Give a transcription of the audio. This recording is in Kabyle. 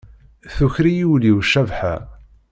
Tuker-iyi ul-iw Cabḥa.